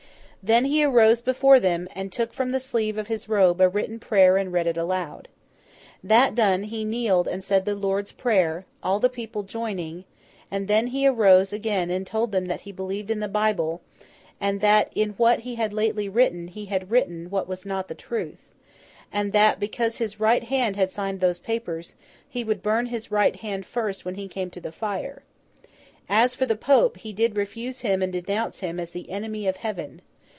Then, he arose before them all, and took from the sleeve of his robe a written prayer and read it aloud. That done, he kneeled and said the Lord's Prayer, all the people joining; and then he arose again and told them that he believed in the Bible, and that in what he had lately written, he had written what was not the truth, and that, because his right hand had signed those papers, he would burn his right hand first when he came to the fire. As for the Pope, he did refuse him and denounce him as the enemy of Heaven.